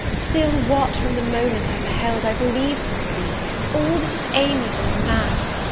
still what, from the moment I beheld, I believed him to be all that is amiable in man!